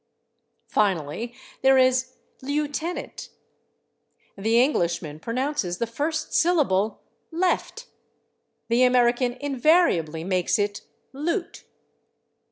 Finally there is /lieutenant/. The Englishman pronounces the first syllable /left/; the American invariably makes it /loot